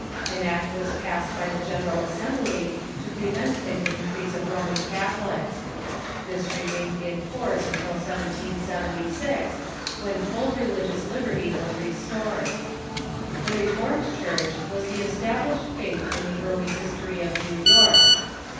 An act was passed by the General Assem bly to prevent an increase of Roman Catholics. This remained in force until 1776, when full religious liberty was restored. The Reformed Church was the established faith in the early history of New York.